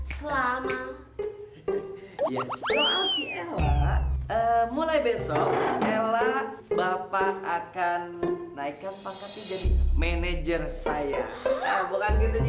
selama selama si ella mulai besok ella bapak akan naikkan paket menjadi manajer saya bukan gitu